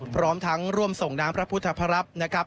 พร้อมทั้งร่วมส่งน้ำพระพุทธพระรับนะครับ